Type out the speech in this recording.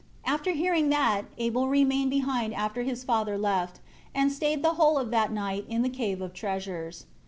After hearing that, Abel remained behind after his father left and stayed the whole of that night in the Cave of Treasures.